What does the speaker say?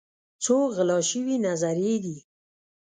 څو غلا شوي نظريې دي